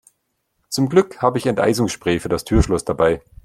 Zum Glück habe ich Enteisungsspray für das Türschloss dabei.